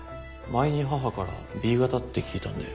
前に母からＢ型って聞いたんで。